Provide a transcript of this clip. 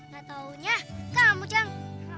gak taunya kamu ujang